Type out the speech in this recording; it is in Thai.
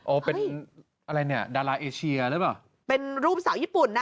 เป็นอะไรเนี่ยดาราเอเชียหรือเปล่าเป็นรูปสาวญี่ปุ่นน่ะ